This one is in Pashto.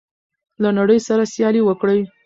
له نړۍ سره سیالي وکړئ.